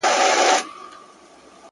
زما په جونګړه کي بلا وکره!!